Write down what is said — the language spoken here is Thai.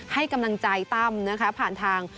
ให้กำลังใจตั้มนะคะผ่านทาง